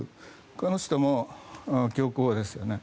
この人も強硬ですよね。